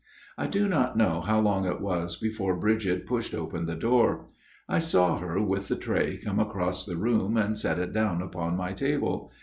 " I do not know how long it was before Bridget pushed open the door. I saw her with the tray come across the room and set it down upon my table.